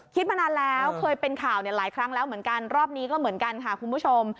มานานแล้วเคยเป็นข่าวเนี่ยหลายครั้งแล้วเหมือนกันรอบนี้ก็เหมือนกันค่ะคุณผู้ชม